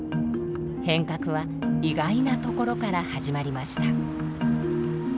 変革は意外なところから始まりました。